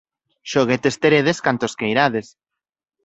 Xoguetes teredes cantos queirades.